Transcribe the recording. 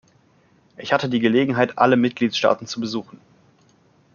Ich hatte die Gelegenheit, alle Mitgliedstaaten zu besuchen.